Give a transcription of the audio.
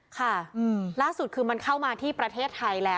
ค่ะล่าสุดคือมันเข้ามาที่ประเทศไทยแล้ว